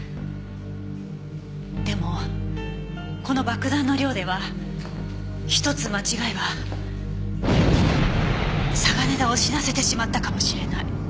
でもこの爆弾の量ではひとつ間違えば嵯峨根田を死なせてしまったかもしれない。